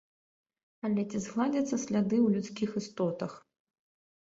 Але ці згладзяцца сляды ў людскіх істотах?